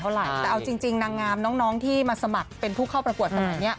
แต่เอาจริงนางงามน้องที่มาสมัครเป็นผู้เข้าประกวดสมัยนี้